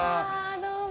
どうも。